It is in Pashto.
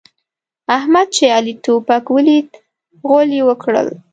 احمد چې علي توپک وليد؛ غول يې وکړل.